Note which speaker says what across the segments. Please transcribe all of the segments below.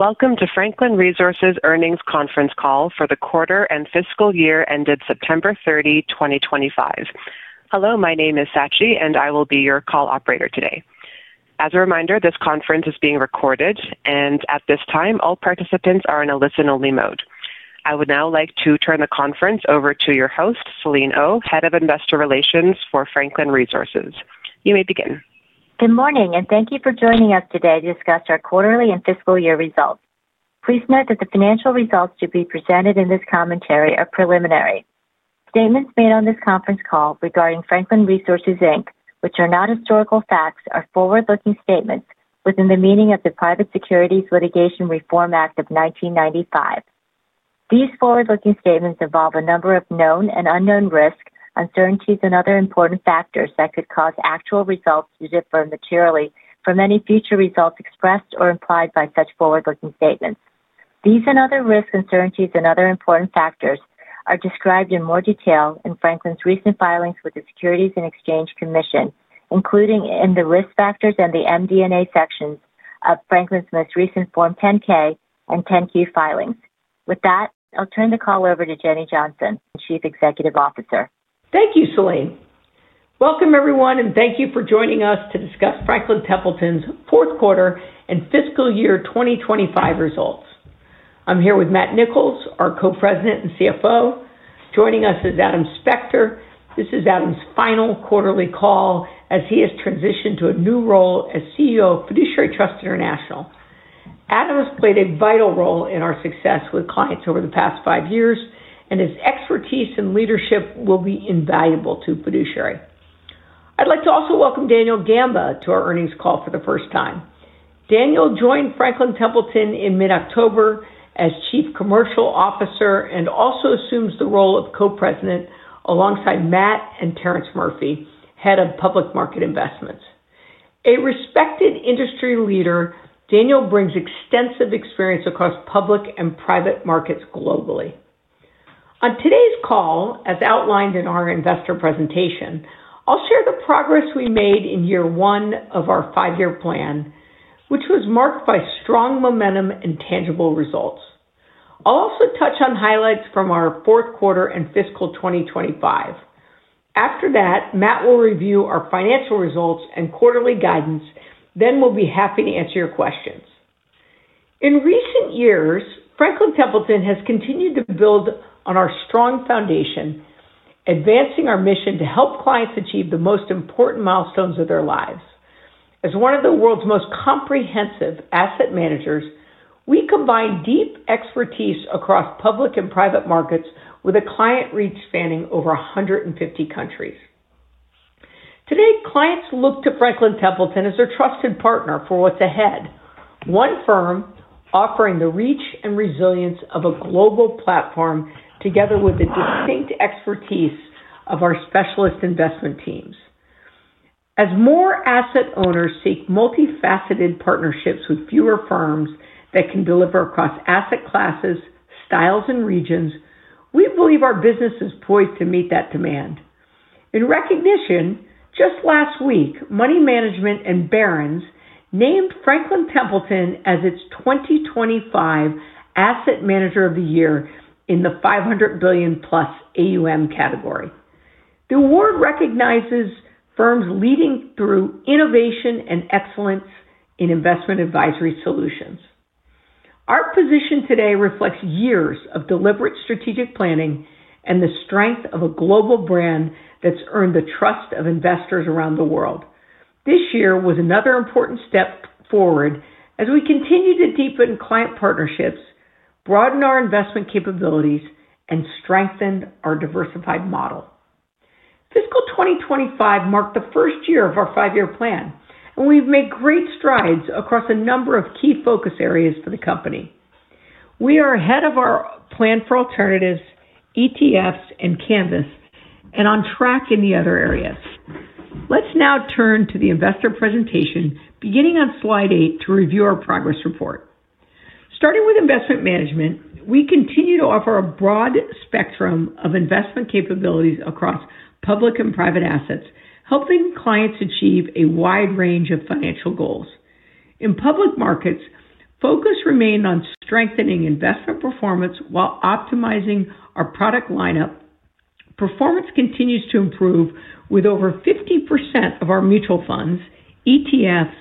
Speaker 1: Welcome to Franklin Resources' earnings conference call for the quarter and fiscal year ended September 30, 2025. Hello, my name is Sachi, and I will be your call operator today. As a reminder, this conference is being recorded, and at this time, all participants are in a listen-only mode. I would now like to turn the conference over to your host, Selene Oh, Head of Investor Relations for Franklin Resources. You may begin.
Speaker 2: Good morning, and thank you for joining us today to discuss our quarterly and fiscal year results. Please note that the financial results to be presented in this commentary are preliminary. Statements made on this conference call regarding Franklin Resources, which are not historical facts, are forward-looking statements within the meaning of the Private Securities Litigation Reform Act of 1995. These forward-looking statements involve a number of known and unknown risks, uncertainties, and other important factors that could cause actual results to differ materially from any future results expressed or implied by such forward-looking statements. These and other risks, uncertainties, and other important factors are described in more detail in Franklin's recent filings with the Securities and Exchange Commission, including in the risk factors and the MD&A sections of Franklin's most recent Form 10-K and 10-Q filings. With that, I'll turn the call over to Jenny Johnson, Chief Executive Officer.
Speaker 3: Thank you, Selene. Welcome, everyone, and thank you for joining us to discuss Franklin Templeton's fourth quarter and fiscal year 2025 results. I'm here with Matt Nicholls, our co-president and CFO. Joining us is Adam Spector. This is Adam's final quarterly call as he has transitioned to a new role as CEO of Fiduciary Trust International. Adam has played a vital role in our success with clients over the past five years, and his expertise and leadership will be invaluable to Fiduciary. I'd like to also welcome Daniel Gamba to our earnings call for the first time. Daniel joined Franklin Templeton in mid-October as Chief Commercial Officer and also assumes the role of co-president alongside Matt and Terrence Murphy, Head of Public Market Investments. A respected industry leader, Daniel brings extensive experience across public and private markets globally. On today's call, as outlined in our investor presentation, I'll share the progress we made in year one of our five-year plan, which was marked by strong momentum and tangible results. I'll also touch on highlights from our fourth quarter and fiscal 2025. After that, Matt will review our financial results and quarterly guidance, then we'll be happy to answer your questions. In recent years, Franklin Templeton has continued to build on our strong foundation, advancing our mission to help clients achieve the most important milestones of their lives. As one of the world's most comprehensive asset managers, we combine deep expertise across public and private markets with a client reach spanning over 150 countries. Today, clients look to Franklin Templeton as their trusted partner for what's ahead, one firm offering the reach and resilience of a global platform together with the distinct expertise of our specialist investment teams. As more asset owners seek multifaceted partnerships with fewer firms that can deliver across asset classes, styles, and regions, we believe our business is poised to meet that demand. In recognition, just last week, Money Management and Barron's named Franklin Templeton as its 2025 Asset Manager of the Year in the $500 billion-plus AUM category. The award recognizes firms leading through innovation and excellence in investment advisory solutions. Our position today reflects years of deliberate strategic planning and the strength of a global brand that's earned the trust of investors around the world. This year was another important step forward as we continue to deepen client partnerships, broaden our investment capabilities, and strengthen our diversified model. Fiscal 2025 marked the first year of our five-year plan, and we've made great strides across a number of key focus areas for the company. We are ahead of our plan for alternatives, ETFs, and Canvas, and on track in the other areas. Let's now turn to the investor presentation, beginning on slide eight to review our progress report. Starting with investment management, we continue to offer a broad spectrum of investment capabilities across public and private assets, helping clients achieve a wide range of financial goals. In public markets, focus remained on strengthening investment performance while optimizing our product lineup. Performance continues to improve with over 50% of our mutual funds, ETFs,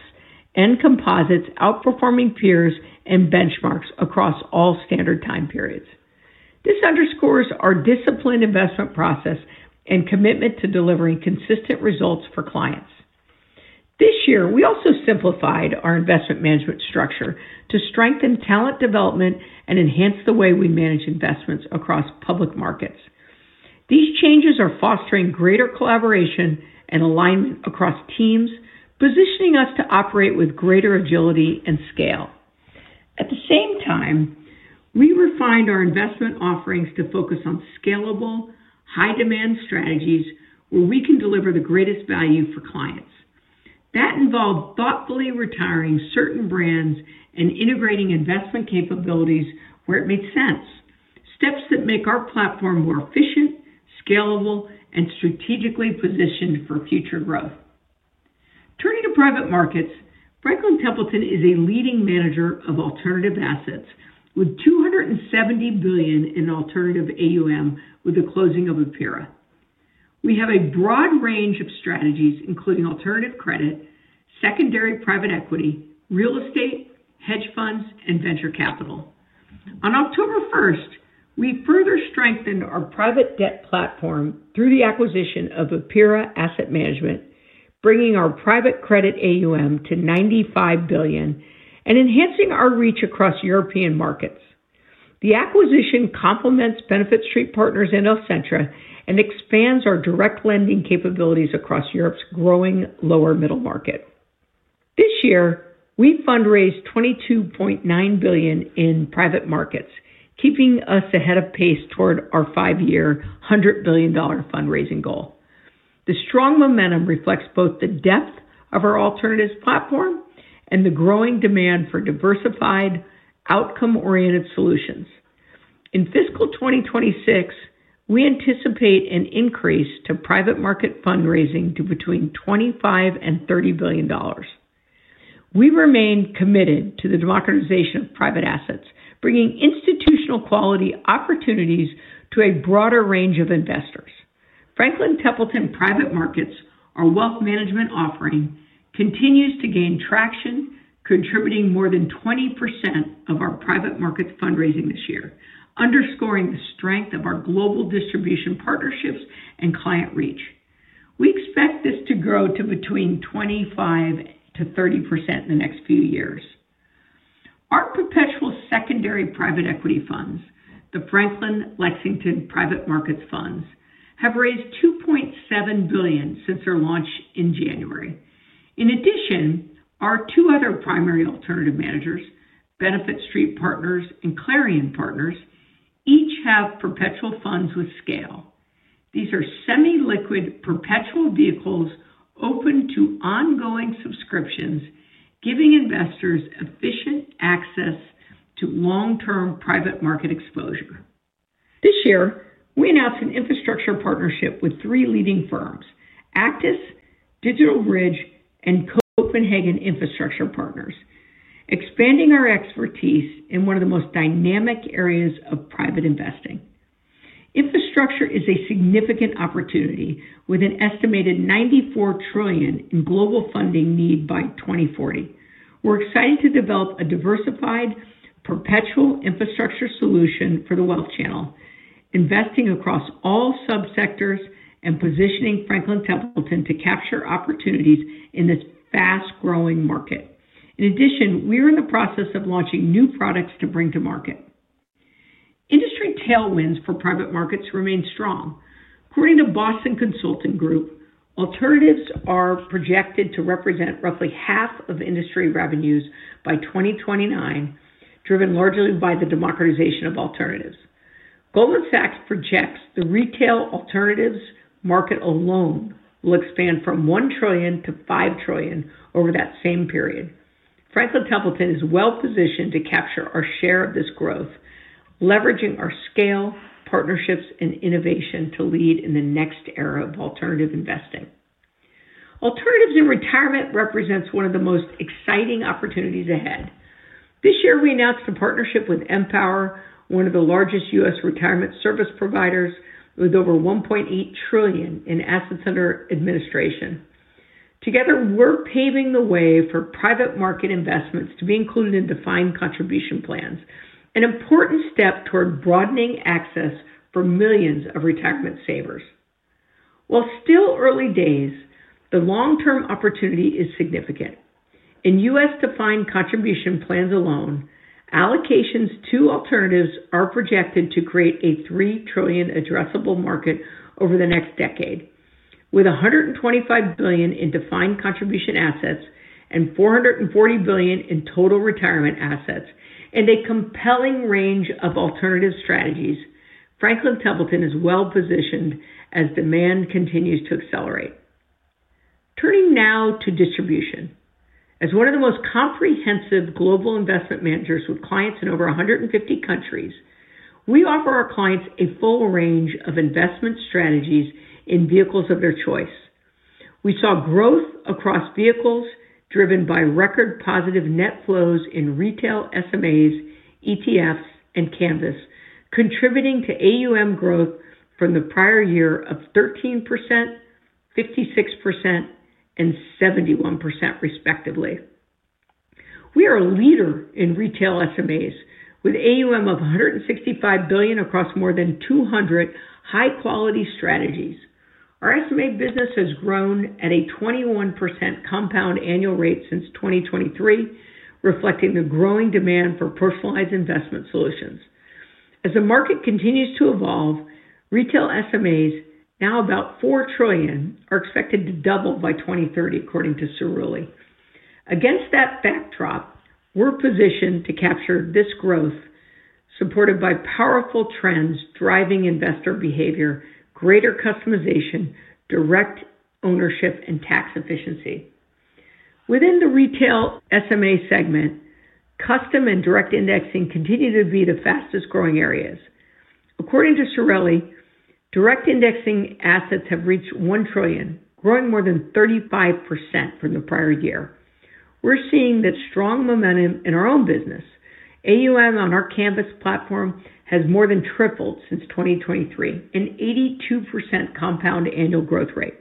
Speaker 3: and composites outperforming peers and benchmarks across all standard time periods. This underscores our disciplined investment process and commitment to delivering consistent results for clients. This year, we also simplified our investment management structure to strengthen talent development and enhance the way we manage investments across public markets. These changes are fostering greater collaboration and alignment across teams, positioning us to operate with greater agility and scale. At the same time, we refined our investment offerings to focus on scalable, high-demand strategies where we can deliver the greatest value for clients. That involved thoughtfully retiring certain brands and integrating investment capabilities where it made sense, steps that make our platform more efficient, scalable, and strategically positioned for future growth. Turning to private markets, Franklin Templeton is a leading manager of alternative assets with $270 billion in alternative AUM with the closing of APIRA. We have a broad range of strategies, including alternative credit, secondary private equity, real estate, hedge funds, and venture capital. On October 1, we further strengthened our private debt platform through the acquisition of APIRA Asset Management, bringing our private credit AUM to $95 billion and enhancing our reach across European markets. The acquisition complements Benefit Street Partners and Alcentra and expands our direct lending capabilities across Europe's growing lower middle market. This year, we fundraised $22.9 billion in private markets, keeping us ahead of pace toward our five-year $100 billion fundraising goal. The strong momentum reflects both the depth of our alternatives platform and the growing demand for diversified, outcome-oriented solutions. In fiscal 2026, we anticipate an increase to private market fundraising to between $25 billion and $30 billion. We remain committed to the democratization of private assets, bringing institutional quality opportunities to a broader range of investors. Franklin Templeton Private Markets, our wealth management offering, continues to gain traction, contributing more than 20% of our private market fundraising this year, underscoring the strength of our global distribution partnerships and client reach. We expect this to grow to between 25-30% in the next few years. Our perpetual secondary private equity funds, the Franklin Lexington Private Markets Funds, have raised $2.7 billion since their launch in January. In addition, our two other primary alternative managers, Benefit Street Partners and Clarion Partners, each have perpetual funds with scale. These are semi-liquid perpetual vehicles open to ongoing subscriptions, giving investors efficient access to long-term private market exposure. This year, we announced an infrastructure partnership with three leading firms, Actis, DigitalBridge, and Copenhagen Infrastructure Partners, expanding our expertise in one of the most dynamic areas of private investing. Infrastructure is a significant opportunity, with an estimated $94 trillion in global funding need by 2040. We're excited to develop a diversified perpetual infrastructure solution for the wealth channel, investing across all subsectors and positioning Franklin Templeton to capture opportunities in this fast-growing market. In addition, we are in the process of launching new products to bring to market. Industry tailwinds for private markets remain strong. According to Boston Consulting Group, alternatives are projected to represent roughly half of industry revenues by 2029, driven largely by the democratization of alternatives. Goldman Sachs projects the retail alternatives market alone will expand from $1 trillion to $5 trillion over that same period. Franklin Templeton is well-positioned to capture our share of this growth, leveraging our scale, partnerships, and innovation to lead in the next era of alternative investing. Alternatives in retirement represents one of the most exciting opportunities ahead. This year, we announced a partnership with Empower, one of the largest U.S. retirement service providers, with over $1.8 trillion in assets under administration. Together, we're paving the way for private market investments to be included in defined contribution plans, an important step toward broadening access for millions of retirement savers. While still early days, the long-term opportunity is significant. In the U.S. Defined contribution plans alone, allocations to alternatives are projected to create a $3 trillion addressable market over the next decade. With $125 billion in defined contribution assets and $440 billion in total retirement assets and a compelling range of alternative strategies, Franklin Templeton is well-positioned as demand continues to accelerate. Turning now to distribution. As one of the most comprehensive global investment managers with clients in over 150 countries, we offer our clients a full range of investment strategies in vehicles of their choice. We saw growth across vehicles driven by record positive net flows in retail SMAs, ETFs, and Canvas, contributing to AUM growth from the prior year of 13%, 56%, and 71%, respectively. We are a leader in retail SMAs with AUM of $165 billion across more than 200 high-quality strategies. Our SMA business has grown at a 21% compound annual rate since 2023, reflecting the growing demand for personalized investment solutions. As the market continues to evolve, retail SMAs, now about $4 trillion, are expected to double by 2030, according to Cerulli. Against that backdrop, we're positioned to capture this growth, supported by powerful trends driving investor behavior, greater customization, direct ownership, and tax efficiency. Within the retail SMA segment, custom and direct indexing continue to be the fastest-growing areas. According to Cerulli, direct indexing assets have reached $1 trillion, growing more than 35% from the prior year. We're seeing that strong momentum in our own business. AUM on our Canvas platform has more than tripled since 2023, an 82% compound annual growth rate.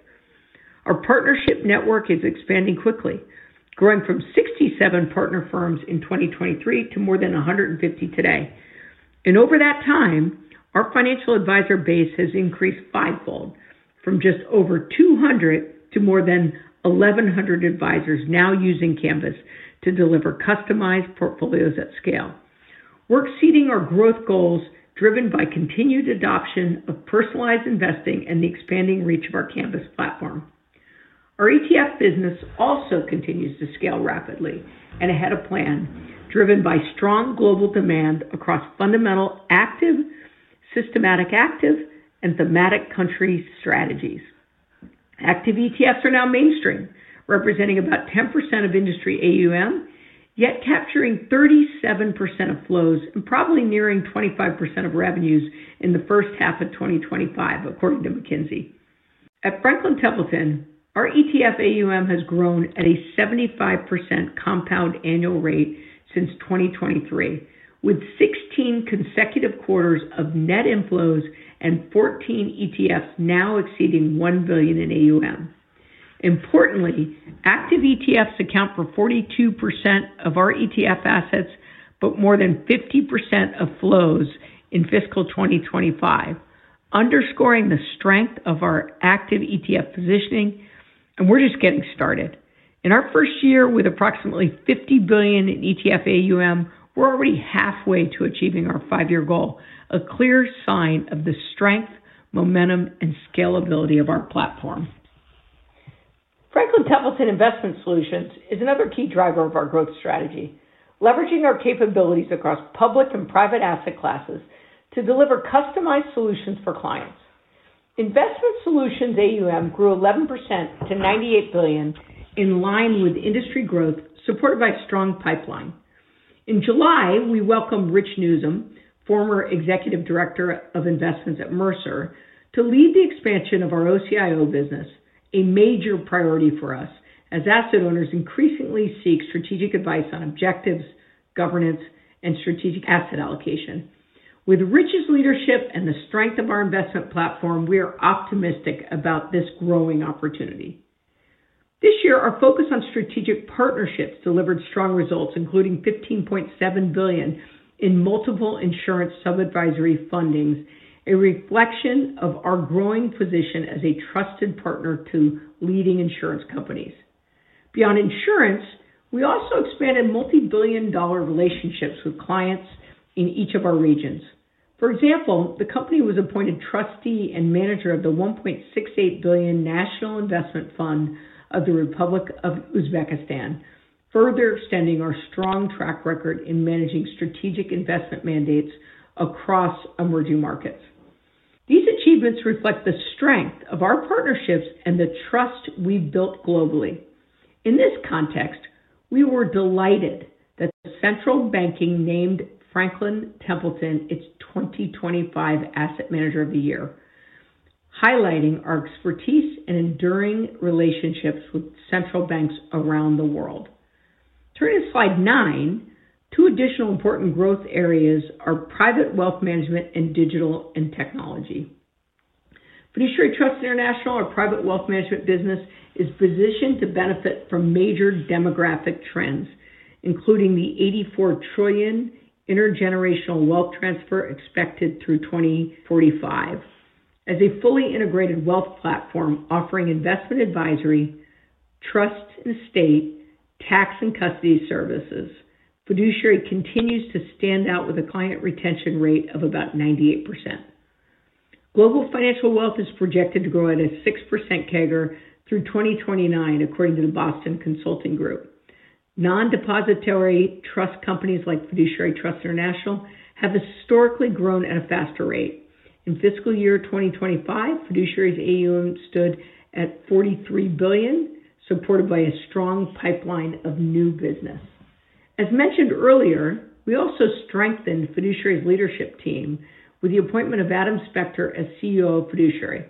Speaker 3: Our partnership network is expanding quickly, growing from 67 partner firms in 2023 to more than 150 today. Over that time, our financial advisor base has increased fivefold, from just over 200 to more than 1,100 advisors now using Canvas to deliver customized portfolios at scale. We are exceeding our growth goals driven by continued adoption of personalized investing and the expanding reach of our Canvas platform. Our ETF business also continues to scale rapidly and ahead of plan, driven by strong global demand across fundamental active, systematic active, and thematic country strategies. Active ETFs are now mainstream, representing about 10% of industry AUM, yet capturing 37% of flows and probably nearing 25% of revenues in the first half of 2025, according to McKinsey. At Franklin Templeton, our ETF AUM has grown at a 75% compound annual rate since 2023, with 16 consecutive quarters of net inflows and 14 ETFs now exceeding $1 billion in AUM. Importantly, active ETFs account for 42% of our ETF assets, but more than 50% of flows in fiscal 2025, underscoring the strength of our active ETF positioning. We are just getting started. In our first year with approximately $50 billion in ETF AUM, we are already halfway to achieving our five-year goal, a clear sign of the strength, momentum, and scalability of our platform. Franklin Templeton Investment Solutions is another key driver of our growth strategy, leveraging our capabilities across public and private asset classes to deliver customized solutions for clients. Investment Solutions AUM grew 11% to $98 billion in line with industry growth, supported by a strong pipeline. In July, we welcomed Rich Newsom, former Executive Director of Investments at Mercer, to lead the expansion of our OCIO business, a major priority for us as asset owners increasingly seek strategic advice on objectives, governance, and strategic asset allocation. With Rich's leadership and the strength of our investment platform, we are optimistic about this growing opportunity. This year, our focus on strategic partnerships delivered strong results, including $15.7 billion in multiple insurance sub-advisory fundings, a reflection of our growing position as a trusted partner to leading insurance companies. Beyond insurance, we also expanded multi-billion dollar relationships with clients in each of our regions. For example, the company was appointed trustee and manager of the $1.68 billion national investment fund of the Republic of Uzbekistan, further extending our strong track record in managing strategic investment mandates across emerging markets. These achievements reflect the strength of our partnerships and the trust we've built globally. In this context, we were delighted that Central Banking named Franklin Templeton its 2025 Asset Manager of the Year, highlighting our expertise and enduring relationships with central banks around the world. Turning to slide nine, two additional important growth areas are private wealth management and digital and technology. Fiduciary Trust International, our private wealth management business, is positioned to benefit from major demographic trends, including the $84 trillion intergenerational wealth transfer expected through 2045. As a fully integrated wealth platform offering investment advisory, trust, and estate tax and custody services, Fiduciary continues to stand out with a client retention rate of about 98%. Global financial wealth is projected to grow at a 6% CAGR through 2029, according to the Boston Consulting Group. Non-depository trust companies like Fiduciary Trust International have historically grown at a faster rate. In fiscal year 2025, Fiduciary's AUM stood at $43 billion, supported by a strong pipeline of new business. As mentioned earlier, we also strengthened Fiduciary's leadership team with the appointment of Adam Spector as CEO of Fiduciary.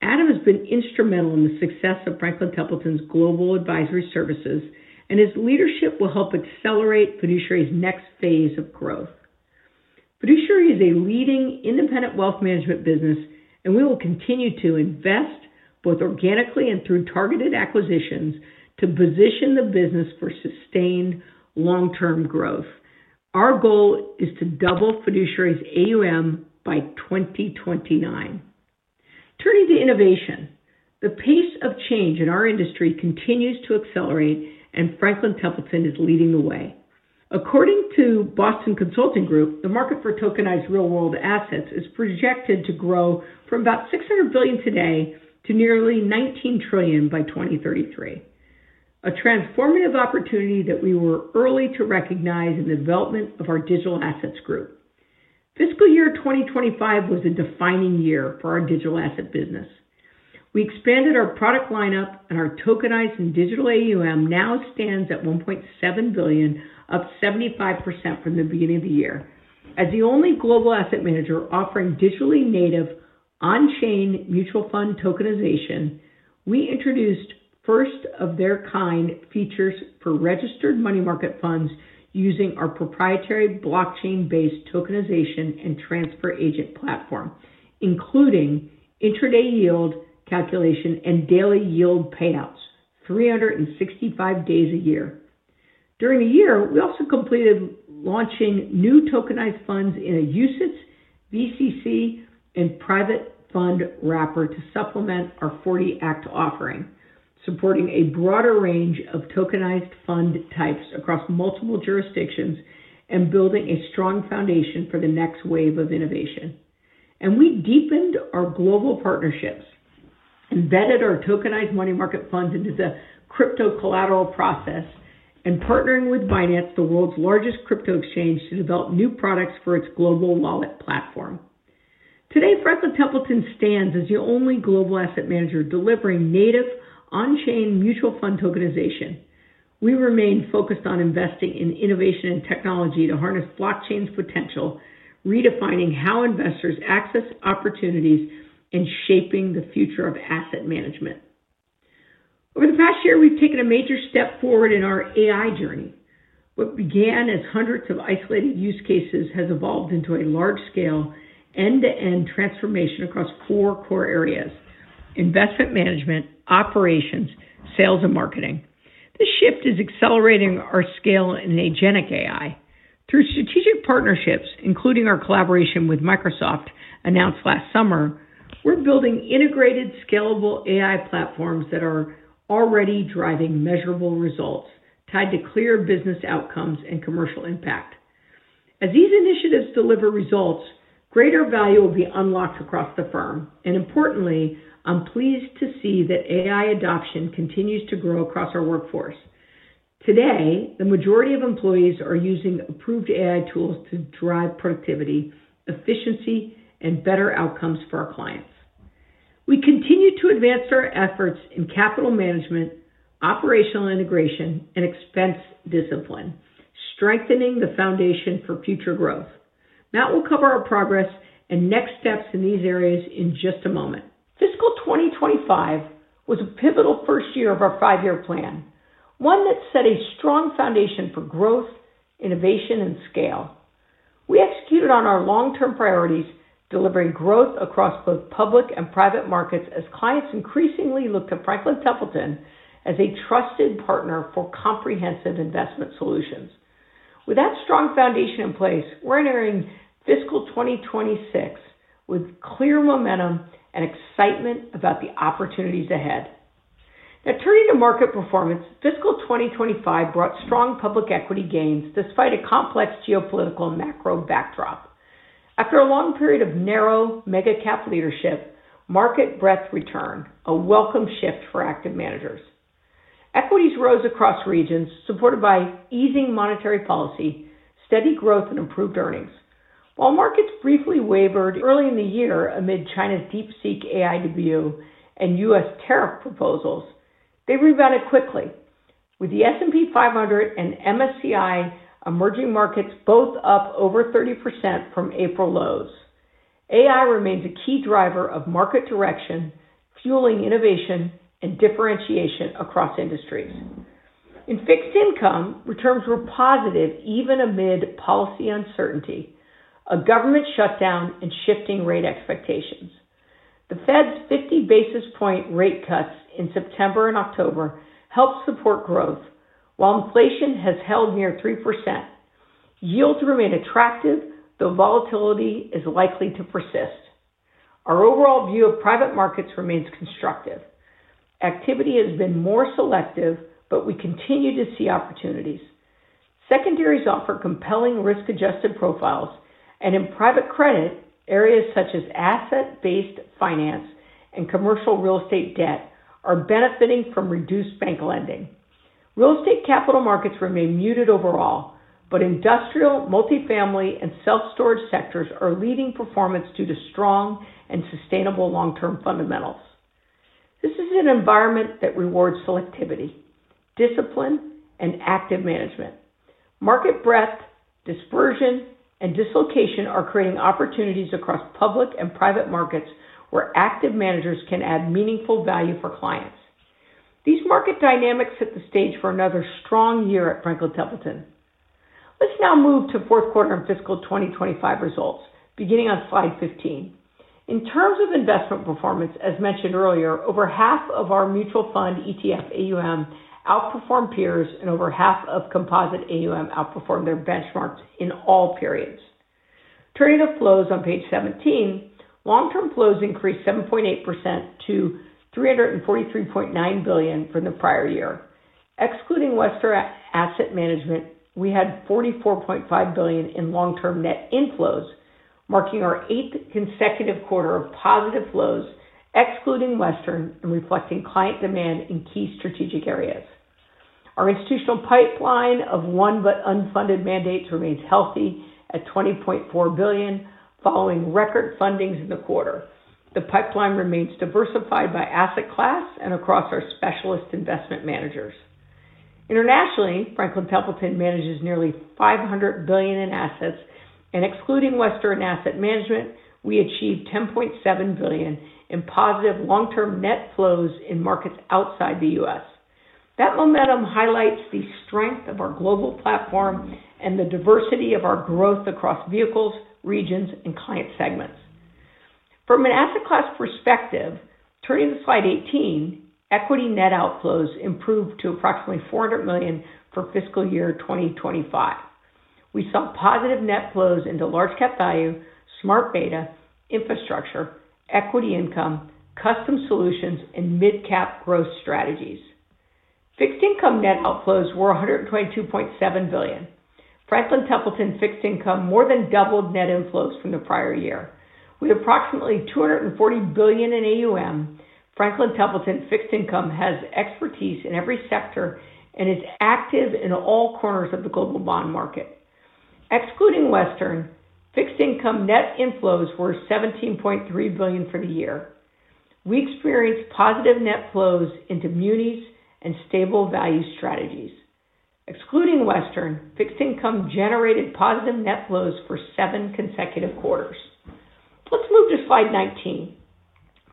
Speaker 3: Adam has been instrumental in the success of Franklin Templeton's global advisory services, and his leadership will help accelerate Fiduciary's next phase of growth. Fiduciary is a leading independent wealth management business, and we will continue to invest both organically and through targeted acquisitions to position the business for sustained long-term growth. Our goal is to double Fiduciary's AUM by 2029. Turning to innovation, the pace of change in our industry continues to accelerate, and Franklin Templeton is leading the way. According to Boston Consulting Group, the market for tokenized real-world assets is projected to grow from about $600 billion today to nearly $19 trillion by 2033, a transformative opportunity that we were early to recognize in the development of our Digital Assets Group. Fiscal year 2025 was a defining year for our digital asset business. We expanded our product lineup, and our tokenized and digital AUM now stands at $1.7 billion, up 75% from the beginning of the year. As the only global asset manager offering digitally native on-chain mutual fund tokenization, we introduced first-of-their-kind features for registered money market funds using our proprietary blockchain-based tokenization and transfer agent platform, including intraday yield calculation and daily yield payouts, 365 days a year. During the year, we also completed launching new tokenized funds in a UCITS, VCC, and private fund wrapper to supplement our 40-Act offering, supporting a broader range of tokenized fund types across multiple jurisdictions and building a strong foundation for the next wave of innovation. We deepened our global partnerships, embedded our tokenized money market funds into the crypto collateral process, and partnered with Binance, the world's largest crypto exchange, to develop new products for its global wallet platform. Today, Franklin Templeton stands as the only global asset manager delivering native on-chain mutual fund tokenization. We remain focused on investing in innovation and technology to harness blockchain's potential, redefining how investors access opportunities, and shaping the future of asset management. Over the past year, we've taken a major step forward in our AI journey. What began as hundreds of isolated use cases has evolved into a large-scale end-to-end transformation across four core areas: investment management, operations, sales, and marketing. This shift is accelerating our scale in agentic AI. Through strategic partnerships, including our collaboration with Microsoft, announced last summer, we're building integrated, scalable AI platforms that are already driving measurable results tied to clear business outcomes and commercial impact. As these initiatives deliver results, greater value will be unlocked across the firm. Importantly, I'm pleased to see that AI adoption continues to grow across our workforce. Today, the majority of employees are using approved AI tools to drive productivity, efficiency, and better outcomes for our clients. We continue to advance our efforts in capital management, operational integration, and expense discipline, strengthening the foundation for future growth. Matt will cover our progress and next steps in these areas in just a moment. Fiscal 2025 was a pivotal first year of our five-year plan, one that set a strong foundation for growth, innovation, and scale. We executed on our long-term priorities, delivering growth across both public and private markets as clients increasingly looked to Franklin Templeton as a trusted partner for comprehensive investment solutions. With that strong foundation in place, we're entering fiscal 2026 with clear momentum and excitement about the opportunities ahead. Now, turning to market performance, fiscal 2025 brought strong public equity gains despite a complex geopolitical macro backdrop. After a long period of narrow mega-cap leadership, market breadth returned, a welcome shift for active managers. Equities rose across regions, supported by easing monetary policy, steady growth, and improved earnings. While markets briefly wavered early in the year amid China's deep-seek AI debut and U.S. tariff proposals, they rebounded quickly, with the S&P 500 and MSCI emerging markets both up over 30% from April lows. AI remains a key driver of market direction, fueling innovation and differentiation across industries. In fixed income, returns were positive even amid policy uncertainty, a government shutdown, and shifting rate expectations. The Fed's 50 basis point rate cuts in September and October helped support growth, while inflation has held near 3%. Yields remain attractive, though volatility is likely to persist. Our overall view of private markets remains constructive. Activity has been more selective, but we continue to see opportunities. Secondaries offer compelling risk-adjusted profiles, and in private credit, areas such as asset-based finance and commercial real estate debt are benefiting from reduced bank lending. Real estate capital markets remain muted overall, but industrial, multifamily, and self-storage sectors are leading performance due to strong and sustainable long-term fundamentals. This is an environment that rewards selectivity, discipline, and active management. Market breadth, dispersion, and dislocation are creating opportunities across public and private markets where active managers can add meaningful value for clients. These market dynamics set the stage for another strong year at Franklin Templeton. Let's now move to fourth quarter and fiscal 2025 results, beginning on slide 15. In terms of investment performance, as mentioned earlier, over half of our mutual fund ETF AUM outperformed peers, and over half of composite AUM outperformed their benchmarks in all periods. Turning to flows on page 17, long-term flows increased 7.8% to $343.9 billion from the prior year. Excluding Western Asset Management, we had $44.5 billion in long-term net inflows, marking our eighth consecutive quarter of positive flows, excluding Western, and reflecting client demand in key strategic areas. Our institutional pipeline of one-but-unfunded mandates remains healthy at $20.4 billion, following record fundings in the quarter. The pipeline remains diversified by asset class and across our specialist investment managers. Internationally, Franklin Templeton manages nearly $500 billion in assets, and excluding Western Asset Management, we achieved $10.7 billion in positive long-term net flows in markets outside the U.S. That momentum highlights the strength of our global platform and the diversity of our growth across vehicles, regions, and client segments. From an asset class perspective, turning to slide 18, equity net outflows improved to approximately $400 million for fiscal year 2025. We saw positive net flows into large-cap value, smart beta, infrastructure, equity income, custom solutions, and mid-cap growth strategies. Fixed income net outflows were $122.7 billion. Franklin Templeton fixed income more than doubled net inflows from the prior year. With approximately $240 billion in AUM, Franklin Templeton fixed income has expertise in every sector and is active in all corners of the global bond market. Excluding Western, fixed income net inflows were $17.3 billion for the year. We experienced positive net flows into munis and stable value strategies. Excluding Western, fixed income generated positive net flows for seven consecutive quarters. Let's move to slide 19.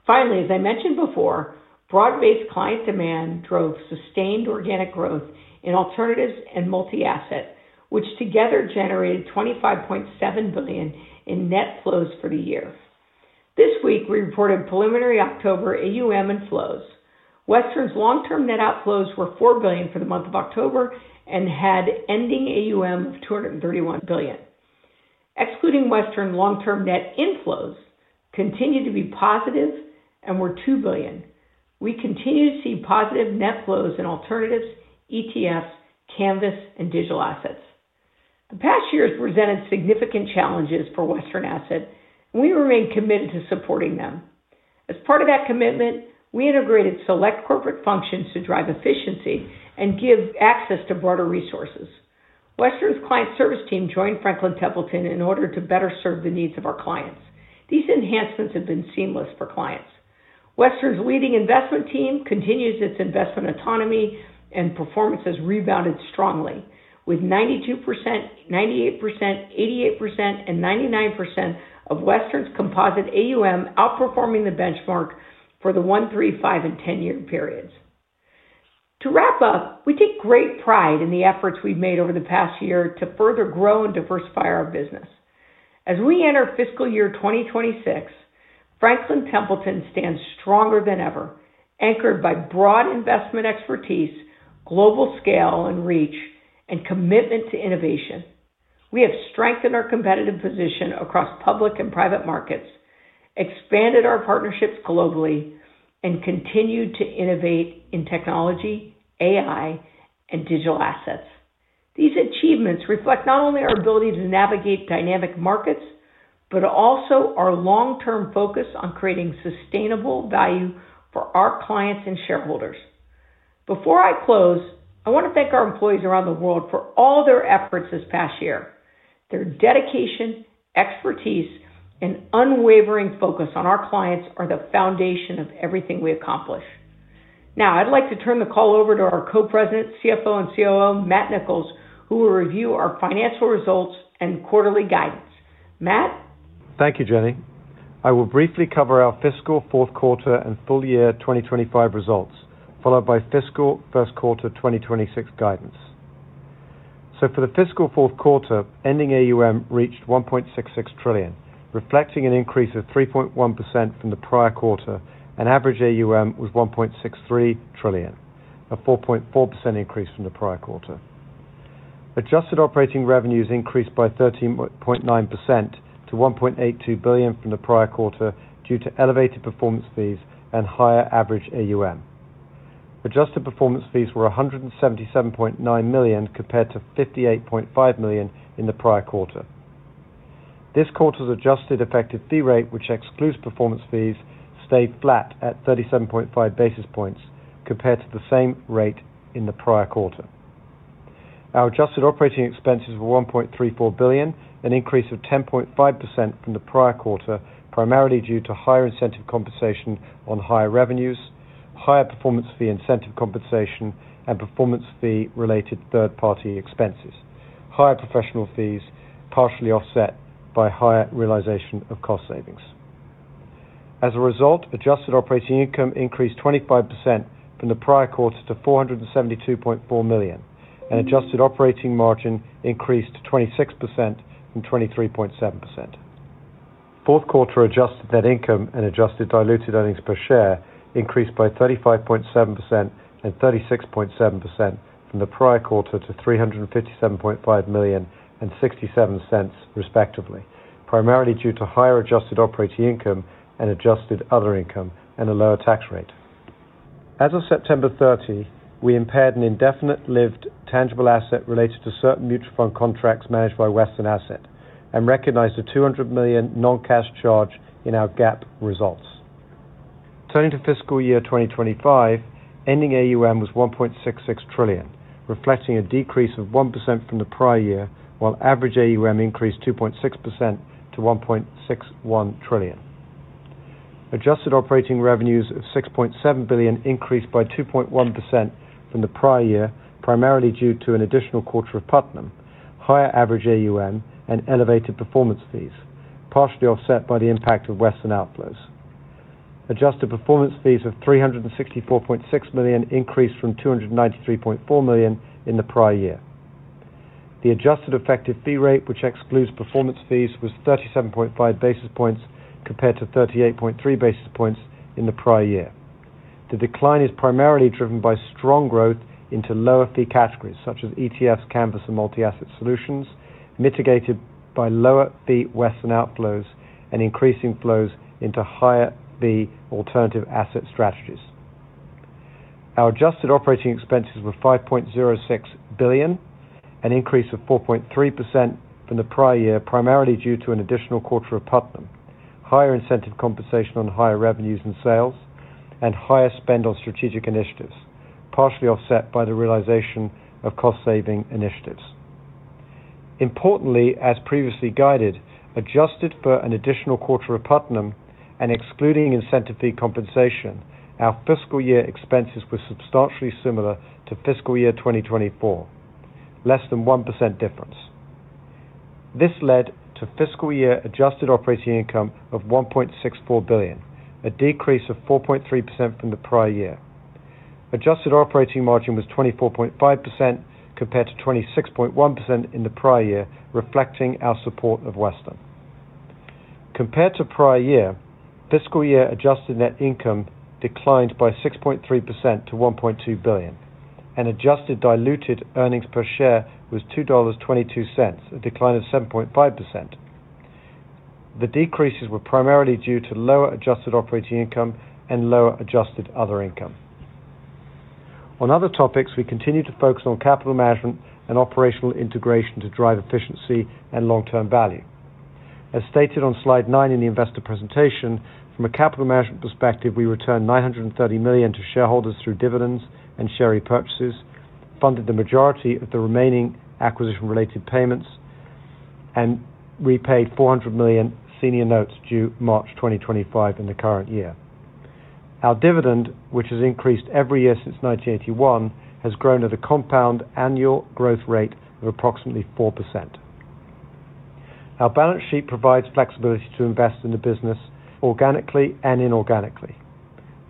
Speaker 3: Finally, as I mentioned before, broad-based client demand drove sustained organic growth in alternatives and multi-asset, which together generated $25.7 billion in net flows for the year. This week, we reported preliminary October AUM inflows. Western's long-term net outflows were $4 billion for the month of October and had ending AUM of $231 billion. Excluding Western, long-term net inflows continued to be positive and were $2 billion. We continue to see positive net flows in alternatives, ETFs, Canvas, and digital assets. The past year has presented significant challenges for Western Asset, and we remain committed to supporting them. As part of that commitment, we integrated select corporate functions to drive efficiency and give access to broader resources. Western's client service team joined Franklin Templeton in order to better serve the needs of our clients. These enhancements have been seamless for clients. Western's leading investment team continues its investment autonomy, and performance has rebounded strongly, with 92%, 98%, 88%, and 99% of Western's composite AUM outperforming the benchmark for the 1, 3, 5, and 10-year periods. To wrap up, we take great pride in the efforts we've made over the past year to further grow and diversify our business. As we enter fiscal year 2026, Franklin Templeton stands stronger than ever, anchored by broad investment expertise, global scale and reach, and commitment to innovation. We have strengthened our competitive position across public and private markets, expanded our partnerships globally, and continued to innovate in technology, AI, and digital assets. These achievements reflect not only our ability to navigate dynamic markets, but also our long-term focus on creating sustainable value for our clients and shareholders. Before I close, I want to thank our employees around the world for all their efforts this past year. Their dedication, expertise, and unwavering focus on our clients are the foundation of everything we accomplish. Now, I'd like to turn the call over to our Co-President, CFO and COO, Matt Nicholls, who will review our financial results and quarterly guidance. Matt.
Speaker 4: Thank you, Jenny. I will briefly cover our fiscal fourth quarter and full year 2025 results, followed by fiscal first quarter 2026 guidance. For the fiscal fourth quarter, ending AUM reached $1.66 trillion, reflecting an increase of 3.1% from the prior quarter, and average AUM was $1.63 trillion, a 4.4% increase from the prior quarter. Adjusted operating revenues increased by 13.9% to $1.82 billion from the prior quarter due to elevated performance fees and higher average AUM. Adjusted performance fees were $177.9 million compared to $58.5 million in the prior quarter. This quarter's adjusted effective fee rate, which excludes performance fees, stayed flat at 37.5 basis points compared to the same rate in the prior quarter. Our adjusted operating expenses were $1.34 billion, an increase of 10.5% from the prior quarter, primarily due to higher incentive compensation on higher revenues, higher performance fee incentive compensation, and performance fee-related third-party expenses, higher professional fees partially offset by higher realization of cost savings. As a result, adjusted operating income increased 25% from the prior quarter to $472.4 million, and adjusted operating margin increased 26% from 23.7%. Fourth quarter adjusted net income and adjusted diluted earnings per share increased by 35.7% and 36.7% from the prior quarter to $357.5 million and $0.67, respectively, primarily due to higher adjusted operating income and adjusted other income and a lower tax rate. As of September 30, we impaired an indefinite lived tangible asset related to certain mutual fund contracts managed by Western Asset and recognized a $200 million non-cash charge in our GAAP results. Turning to fiscal year 2025, ending AUM was $1.66 trillion, reflecting a decrease of 1% from the prior year, while average AUM increased 2.6% to $1.61 trillion. Adjusted operating revenues of $6.7 billion increased by 2.1% from the prior year, primarily due to an additional quarter of Putnam, higher average AUM, and elevated performance fees, partially offset by the impact of Western outflows. Adjusted performance fees of $364.6 million increased from $293.4 million in the prior year. The adjusted effective fee rate, which excludes performance fees, was 37.5 basis points compared to 38.3 basis points in the prior year. The decline is primarily driven by strong growth into lower fee categories such as ETFs, Canvas, and multi-asset solutions, mitigated by lower fee Western outflows and increasing flows into higher fee alternative asset strategies. Our adjusted operating expenses were $5.06 billion, an increase of 4.3% from the prior year, primarily due to an additional quarter of Putnam, higher incentive compensation on higher revenues and sales, and higher spend on strategic initiatives, partially offset by the realization of cost saving initiatives. Importantly, as previously guided, adjusted for an additional quarter of Putnam and excluding incentive fee compensation, our fiscal year expenses were substantially similar to fiscal year 2024, less than 1% difference. This led to fiscal year adjusted operating income of $1.64 billion, a decrease of 4.3% from the prior year. Adjusted operating margin was 24.5% compared to 26.1% in the prior year, reflecting our support of Western. Compared to prior year, fiscal year adjusted net income declined by 6.3% to $1.2 billion, and adjusted diluted earnings per share was $2.22, a decline of 7.5%. The decreases were primarily due to lower adjusted operating income and lower adjusted other income. On other topics, we continue to focus on capital management and operational integration to drive efficiency and long-term value. As stated on slide 9 in the investor presentation, from a capital management perspective, we returned $930 million to shareholders through dividends and share repurchases, funded the majority of the remaining acquisition-related payments, and repaid $400 million senior notes due March 2025 in the current year. Our dividend, which has increased every year since 1981, has grown at a compound annual growth rate of approximately 4%. Our balance sheet provides flexibility to invest in the business organically and inorganically.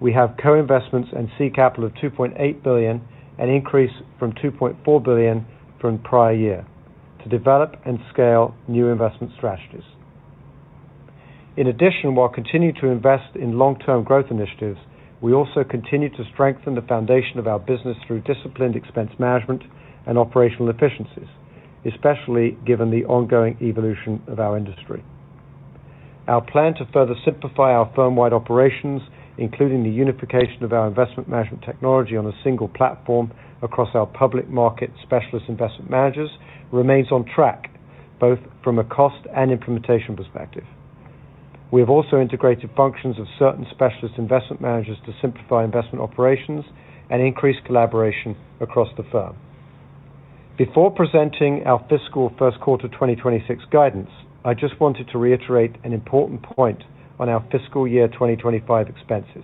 Speaker 4: We have co-investments and seed capital of $2.8 billion, an increase from $2.4 billion from prior year, to develop and scale new investment strategies. In addition, while continuing to invest in long-term growth initiatives, we also continue to strengthen the foundation of our business through disciplined expense management and operational efficiencies, especially given the ongoing evolution of our industry. Our plan to further simplify our firm-wide operations, including the unification of our investment management technology on a single platform across our public market specialist investment managers, remains on track, both from a cost and implementation perspective. We have also integrated functions of certain specialist investment managers to simplify investment operations and increase collaboration across the firm. Before presenting our fiscal first quarter 2026 guidance, I just wanted to reiterate an important point on our fiscal year 2025 expenses.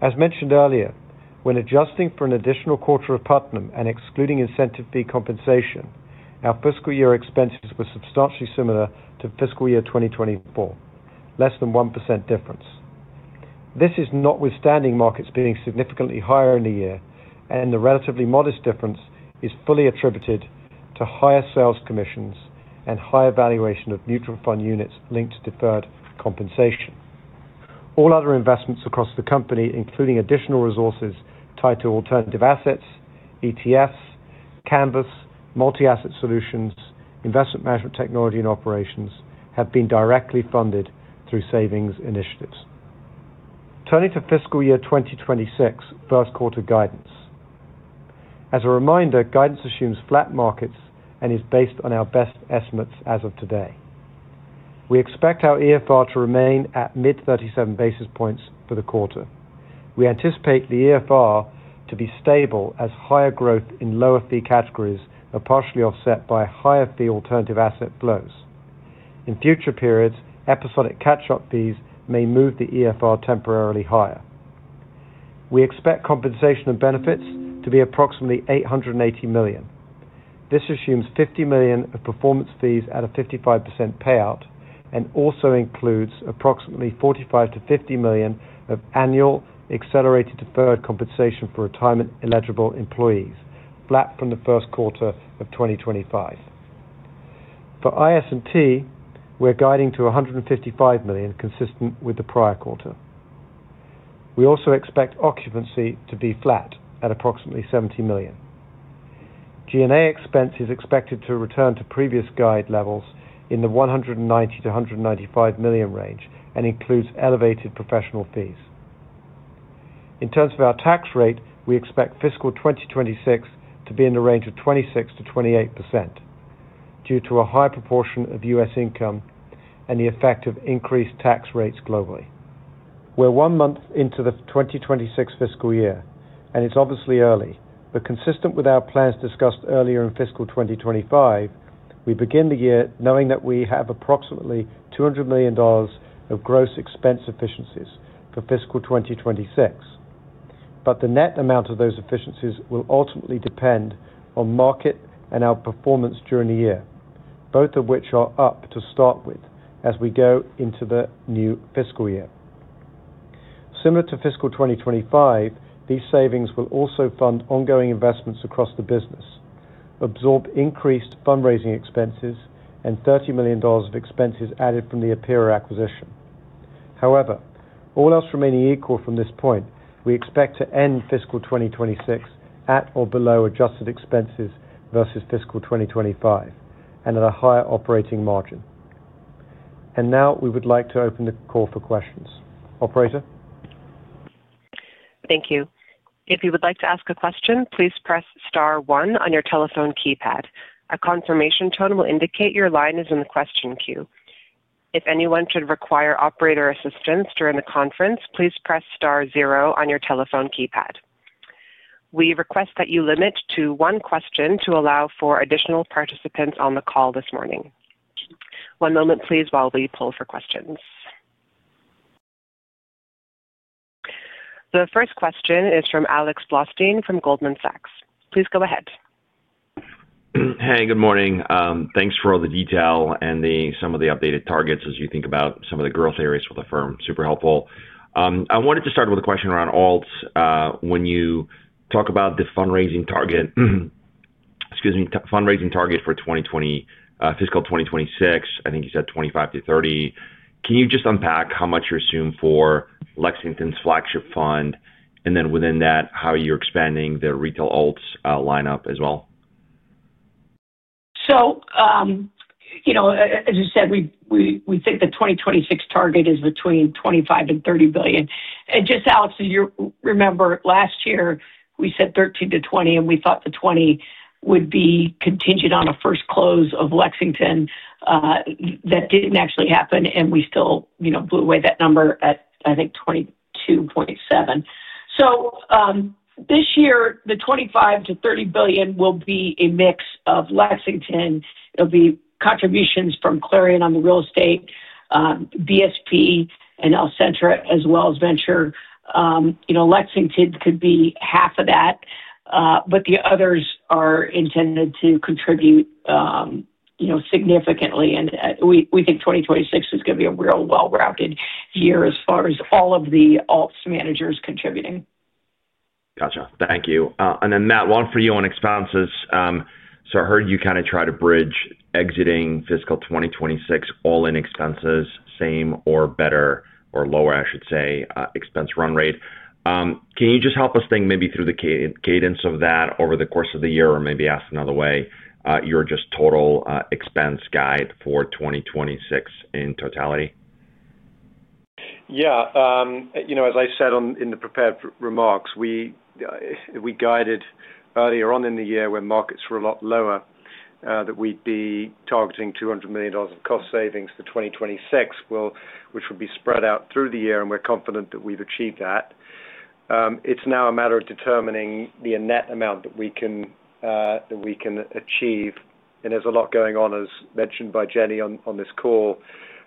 Speaker 4: As mentioned earlier, when adjusting for an additional quarter of Putnam and excluding incentive fee compensation, our fiscal year expenses were substantially similar to fiscal year 2024, less than 1% difference. This is notwithstanding markets being significantly higher in the year, and the relatively modest difference is fully attributed to higher sales commissions and higher valuation of mutual fund units linked to deferred compensation. All other investments across the company, including additional resources tied to alternative assets, ETFs, Canvas, multi-asset solutions, investment management technology, and operations, have been directly funded through savings initiatives. Turning to fiscal year 2026 first quarter guidance. As a reminder, guidance assumes flat markets and is based on our best estimates as of today. We expect our EFR to remain at mid-37 basis points for the quarter. We anticipate the EFR to be stable as higher growth in lower fee categories are partially offset by higher fee alternative asset flows. In future periods, episodic catch-up fees may move the EFR temporarily higher. We expect compensation and benefits to be approximately $880 million. This assumes $50 million of performance fees at a 55% payout and also includes approximately $45 million-$50 million of annual accelerated deferred compensation for retirement-eligible employees, flat from the first quarter of 2025. For IS&T, we're guiding to $155 million, consistent with the prior quarter. We also expect occupancy to be flat at approximately $70 million. G&A expense is expected to return to previous guide levels in the $190 million-$195 million range and includes elevated professional fees. In terms of our tax rate, we expect fiscal 2026 to be in the range of 26%-28% due to a high proportion of U.S. income and the effect of increased tax rates globally. We're one month into the 2026 fiscal year, and it's obviously early, but consistent with our plans discussed earlier in fiscal 2025, we begin the year knowing that we have approximately $200 million of gross expense efficiencies for fiscal 2026. The net amount of those efficiencies will ultimately depend on market and our performance during the year, both of which are up to start with as we go into the new fiscal year. Similar to fiscal 2025, these savings will also fund ongoing investments across the business, absorb increased fundraising expenses, and $30 million of expenses added from the APIRA acquisition. All else remaining equal from this point, we expect to end fiscal 2026 at or below adjusted expenses versus fiscal 2025 and at a higher operating margin. Now we would like to open the call for questions. Operator.
Speaker 1: Thank you. If you would like to ask a question, please press star one on your telephone keypad. A confirmation tone will indicate your line is in the question queue. If anyone should require operator assistance during the conference, please press star zero on your telephone keypad. We request that you limit to one question to allow for additional participants on the call this morning. One moment, please, while we pull for questions. The first question is from Alexander Blostein from Goldman Sachs. Please go ahead.
Speaker 5: Hey, good morning. Thanks for all the detail and some of the updated targets as you think about some of the growth areas for the firm. Super helpful. I wanted to start with a question around alts when you talk about the fundraising target for fiscal 2026, I think you said 25-30, can you just unpack how much you're assuming for Lexington's flagship fund, and then within that, how you're expanding the retail alts lineup as well?
Speaker 4: As I said, we think the 2026 target is between $25 billion and $30 billion. Just, Alex, remember, last year we said $13 billion-$20 billion, and we thought the $20 billion would be contingent on a first close of Lexington. That did not actually happen, and we still blew away that number at, I think, $22.7 billion. This year, the $25 billion-$30 billion will be a mix of Lexington. It will be contributions from Clarion on the real estate, BSP, and Alcentra, as well as venture. Lexington could be half of that, but the others are intended to contribute significantly. We think 2026 is going to be a real well-rounded year as far as all of the alts managers contributing.
Speaker 5: Gotcha. Thank you. Matt, one for you on expenses. I heard you kind of try to bridge exiting fiscal 2026 all in expenses, same or better or lower, I should say, expense run rate. Can you just help us think maybe through the cadence of that over the course of the year, or maybe ask another way, your just total expense guide for 2026 in totality?
Speaker 4: Yeah. As I said in the prepared remarks, we guided earlier on in the year when markets were a lot lower that we'd be targeting $200 million of cost savings for 2026, which would be spread out through the year, and we're confident that we've achieved that. It's now a matter of determining the net amount that we can achieve. There is a lot going on, as mentioned by Jenny on this call,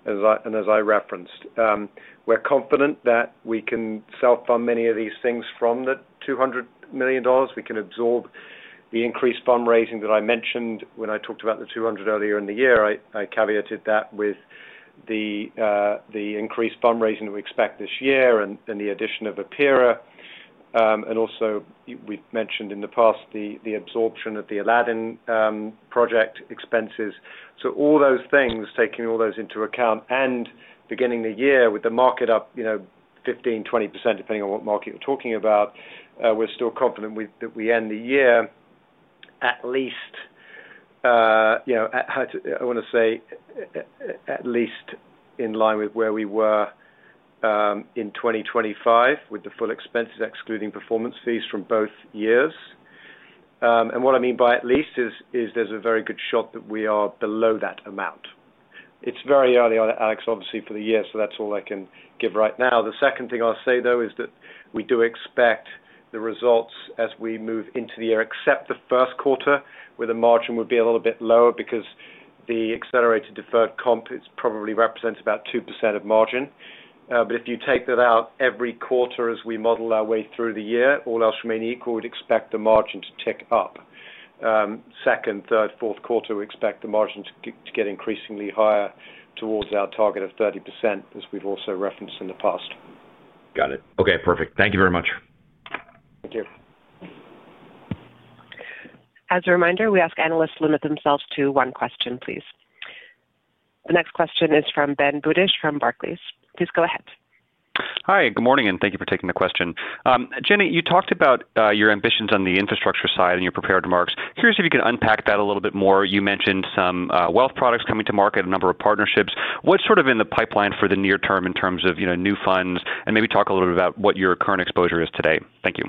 Speaker 4: and as I referenced. We are confident that we can self-fund many of these things from the $200 million. We can absorb the increased fundraising that I mentioned when I talked about the $200 million earlier in the year. I caveated that with the increased fundraising that we expect this year and the addition of APIRA. Also, we have mentioned in the past the absorption of the Aladdin project expenses. All those things, taking all those into account and beginning the year with the market up 15%-20%, depending on what market you are talking about, we are still confident that we end the year at least, I want to say at least in line with where we were in 2025 with the full expenses excluding performance fees from both years. What I mean by at least is there's a very good shot that we are below that amount. It's very early on, Alex, obviously, for the year, so that's all I can give right now. The second thing I'll say, though, is that we do expect the results as we move into the year, except the first quarter, where the margin would be a little bit lower because the accelerated deferred comp probably represents about 2% of margin. If you take that out every quarter as we model our way through the year, all else remaining equal, we'd expect the margin to tick up. Second, third, fourth quarter, we expect the margin to get increasingly higher towards our target of 30%, as we've also referenced in the past.
Speaker 5: Got it. Okay. Perfect. Thank you very much. Thank you.
Speaker 1: As a reminder, we ask analysts to limit themselves to one question, please. The next question is from Ben Budish from Barclays. Please go ahead.
Speaker 6: Hi. Good morning, and thank you for taking the question. Jenny, you talked about your ambitions on the infrastructure side in your prepared remarks. Curious if you can unpack that a little bit more. You mentioned some wealth products coming to market, a number of partnerships. What's sort of in the pipeline for the near term in terms of new funds, and maybe talk a little bit about what your current exposure is today? Thank you.